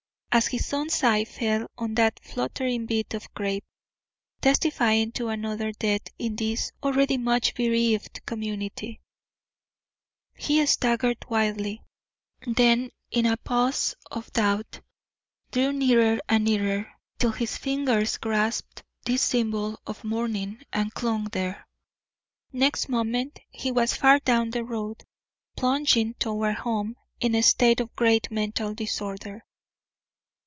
As his son's eye fell on that fluttering bit of crape, testifying to another death in this already much bereaved community, he staggered wildly, then in a pause of doubt drew nearer and nearer till his fingers grasped this symbol of mourning and clung there. Next moment he was far down the road, plunging toward home in a state of great mental disorder.